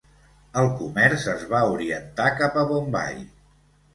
El comerç es va orientar cap a Bombai.